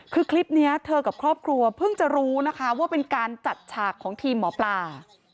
คือคลิปนี้เธอกับครอบครัวเพิ่งจะรู้นะคะว่าเป็นการจัดฉากของทีมหมอปลา